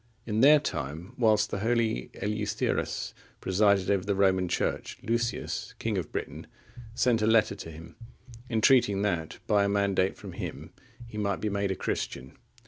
In their time, whilst the holy Eleutherus presided over the Roman Church, Lucius, king of Britain, sent a letter to him, entreating that by a mandate from him he might be made a Christian.